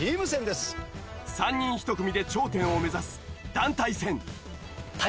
３人１組で頂点を目指す団体戦